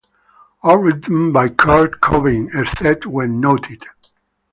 All written by Kurt Cobain, except when noted.